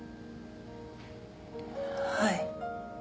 はい。